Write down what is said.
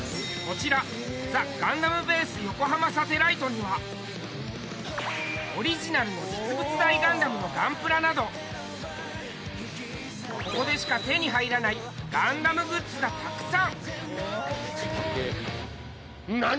こちらザ・ガンダムベース・サテライト・ヨコハマにはオリジナルの実物大のガンプラなどここでしか手に入らないガンダムグッズがたくさん。